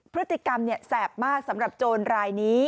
พฤติกรรมแสบมากสำหรับโจรรายนี้